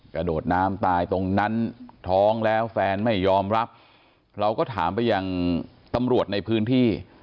กระโดดน้ำตายตรงนั้นท้องแล้วแฟนไม่ยอมรับเราก็ถามไปยังตำรวจในพื้นที่